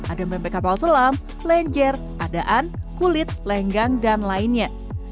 ada bempe kapal selam lenjer adaan kulit lenggang dan lainnya